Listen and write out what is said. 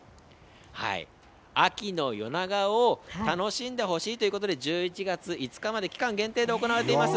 秋の夜長を楽しんでほしいということで、１１月５日まで期間限定で行われています。